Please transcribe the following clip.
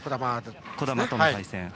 児玉との対戦で。